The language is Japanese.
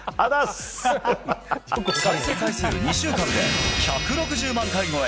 再生回数２週間で１６０万回超え！